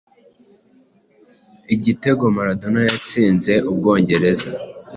Igitego Maradona yatsinze u Bwongereza